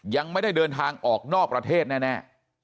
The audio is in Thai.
ยังไม่ได้เดินทางออกนอกประเทศแน่